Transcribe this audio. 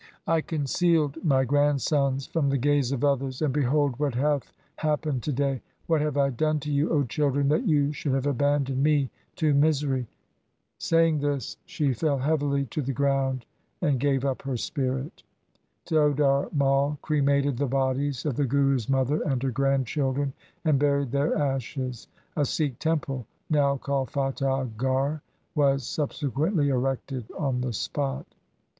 I concealed my grandsons from the gaze of others, and behold what hath happened to day ! What have I done to you, O children, that you should have abandoned me to misery ?' Saying this, she fell heavily to the ground, and gave up her spirit. Todar Mai cremated the bodies of the Guru's mother and her grandchildren, and buried their ashes. 1 A Sikh temple, now called Fatahgarh. was subse quently erected on the spot.